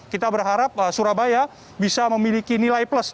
kita berharap surabaya bisa memiliki nilai plus